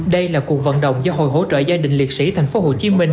đây là cuộc vận động do hội hỗ trợ gia đình liệt sĩ thành phố hồ chí minh